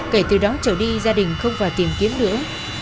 kể từ đó trở đi gia đình không phải tìm kiếm nữa